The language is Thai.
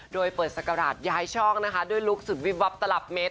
โดยเปิดศักราชย้ายช่องนะคะด้วยลุคสุดวิบวับตลับเมตร